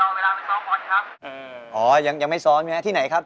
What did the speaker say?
ครับก็รอเวลาไปซ้อนปลอดฟรีครับ